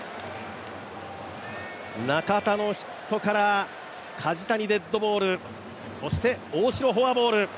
中田のヒットから梶谷デッドボールそして、大城フォアボール。